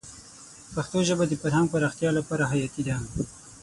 پښتو ژبه د فرهنګ پراختیا لپاره حیاتي ده.